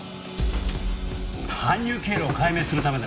搬入経路を解明するためだ。